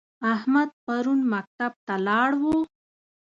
احمدن پرون مکتب ته لاړ و؟